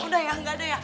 oh udah ya gak ada ya